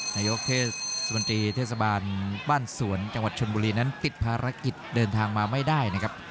นายกเทศมนตรีเทศบาลบ้านสวนจังหวัดชนบุรีนั้นปิดภารกิจเดินทางมาไม่ได้นะครับ